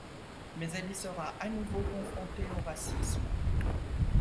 Mais elle y sera à nouveau confrontée au racisme.